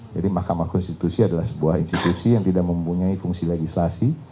mahkamah konstitusi adalah sebuah institusi yang tidak mempunyai fungsi legislasi